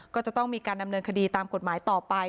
ก็จะต้องมีการดำเนินคดีตามกฎหมายต่อไป